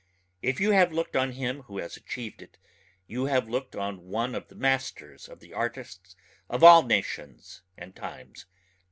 If you have looked on him who has achieved it you have looked on one of the masters of the artists of all nations and times.